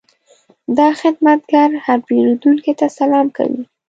دا خدمتګر هر پیرودونکي ته سلام کوي.